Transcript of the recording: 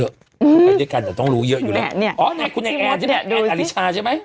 เพราะด้วยกันแหละแต่ต้องรู้เยอะอยู่แล้วอ๋ออริชาใช่มั้ย